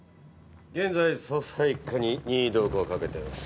現在捜査一課に任意同行をかけてます。